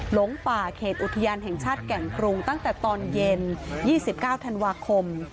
หลงป่าเขตอุทยานแห่งชาติแก่งกรุงตั้งแต่ตอนเย็น๒๙ธันวาคม